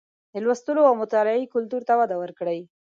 د لوستلو او مطالعې کلتور ته وده ورکړئ